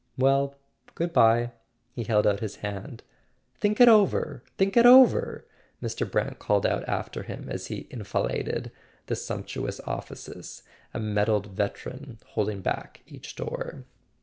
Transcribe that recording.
"Well, good bye." He held out his hand. "Think it over—think it over," Mr. Brant called out after him as he enfiladed the sumptuous offices, a medalled veteran holding back each door.